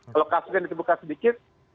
kalau kasus yang ditemukan sedikit